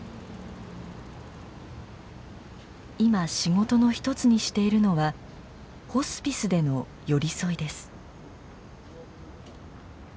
今仕事の一つにしているのはホスピスでの寄り添いです。